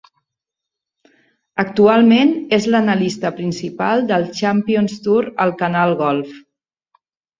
Actualment és l'analista principal del Champions Tour al Canal Golf.